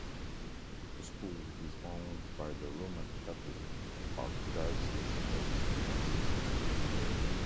The school is owned by the Roman Catholic Archdiocese of San Francisco.